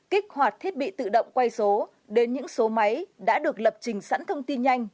kích hoạt thiết bị tự động quay số đến những số máy đã được lập trình sẵn thông tin nhanh